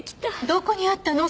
どこにあったの？